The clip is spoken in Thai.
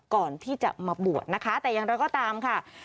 ก่อนที่จะมาบวชนะคะแต่อย่างไรก็ตามค่ะ